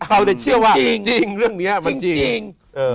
เราจะเชื่อว่าจริงเรื่องนี้มันจริง